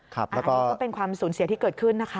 ครับแล้วก็อันนี้ก็เป็นความสูญเสียที่เกิดขึ้นนะคะ